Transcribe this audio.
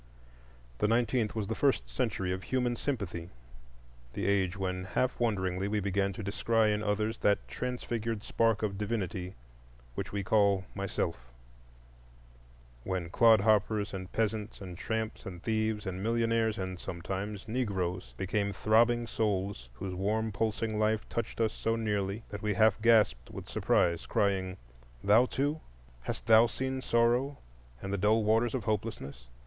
The nineteenth was the first century of human sympathy,—the age when half wonderingly we began to descry in others that transfigured spark of divinity which we call Myself; when clodhoppers and peasants, and tramps and thieves, and millionaires and—sometimes—Negroes, became throbbing souls whose warm pulsing life touched us so nearly that we half gasped with surprise, crying, "Thou too! Hast Thou seen Sorrow and the dull waters of Hopelessness?